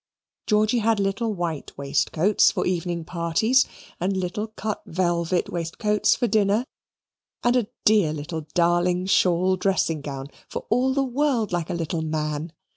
Georgy had little white waistcoats for evening parties, and little cut velvet waistcoats for dinners, and a dear little darling shawl dressing gown, for all the world like a little man.